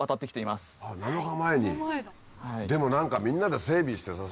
でもみんなで整備してさ